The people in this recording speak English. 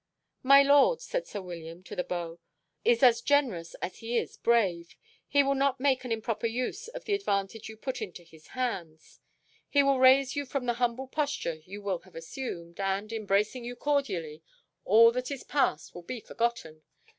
"My lord," said sir William to the beau, "is as generous as he is brave. He will not make an improper use of the advantage you put into his hands. He will raise you from the humble posture you will have assumed, and, embracing you cordially, all that is past will be forgotten.